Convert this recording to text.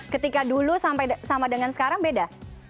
ketika dulu sama dengan sekarang beda